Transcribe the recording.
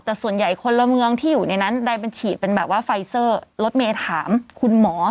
แต่ส่วนใหญ่คนละเมืองที่อยู่ในนั้นได้เป็นฉีดเป็นแบบว่าไฟเซอร์รถเมย์ถามคุณหมอ